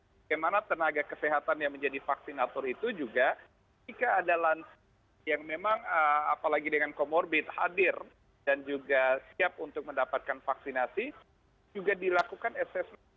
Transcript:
bagaimana tenaga kesehatan yang menjadi vaksinator itu juga jika ada lansia yang memang apalagi dengan comorbid hadir dan juga siap untuk mendapatkan vaksinasi juga dilakukan assessment